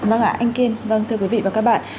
vâng ạ anh kiên vâng thưa quý vị và các bạn